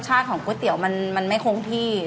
รสชาติของก้วยเตี๋ยวไม่คงที่